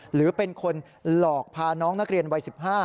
หรือเป็นคนหลอกพาน้องนักเรียนวัย๑๕